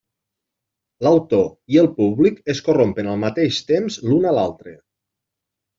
L'autor i el públic es corrompen al mateix temps l'un a l'altre.